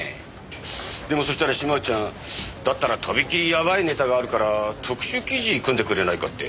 でもそうしたら島内ちゃんだったらとびきりやばいネタがあるから特集記事組んでくれないかって。